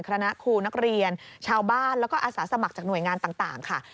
คณะครูนักเรียนชาวบ้านแล้วก็อาสาสมัครจากหน่วยงานต่างค่ะ